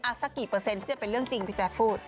สักกี่เปอร์เซ็นที่จะเป็นเรื่องจริงพี่แจ๊คพูด